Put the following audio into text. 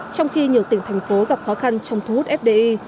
trong khi nhiều tỉnh thành phố gặp khó khăn trong thu hút fdi